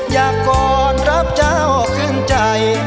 อยากกดรับเจ้าคืนใจ